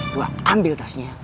gua ambil tasnya